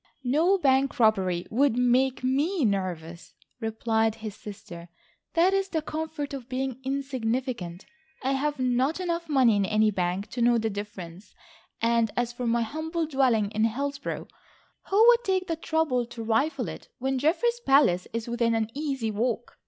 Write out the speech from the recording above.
"No bank robbery would make me nervous," replied his sister, "that is the comfort of being insignificant. I have not enough money in any bank to know the difference, and as for my humble dwelling in Hillsborough, who would take the trouble to rifle it when Geoffrey's palace is within an easy walk.